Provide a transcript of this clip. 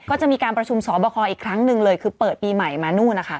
ก็จะมีการประชุมสอบคออีกครั้งหนึ่งเลยคือเปิดปีใหม่มานู่นนะคะ